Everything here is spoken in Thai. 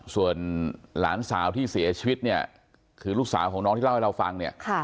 ส่วนหลานสาวที่เสียชีวิตเนี่ยคือลูกสาวของน้องที่เล่าให้เราฟังเนี่ย